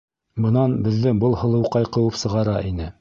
Бынан беҙҙе был һылыуҡай ҡыуып сығара ине.